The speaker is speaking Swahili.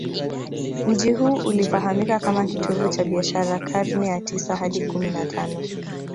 Mji huu ulifahamika kama kitovu cha biashara karne ya tisa hadi kumi na tano